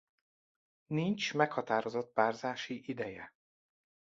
Nincs meghatározott párzási ideje.